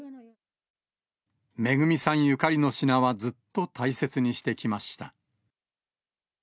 めぐみさんゆかりの品は、ずっと大切にしてきました。